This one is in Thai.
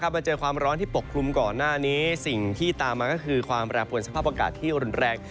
มาเจอความร้อนที่ปกคลุมก่อนหน้านี้สิ่งที่ตามมาก็คือความแปรปวนสภาพอากาศที่รุนแรง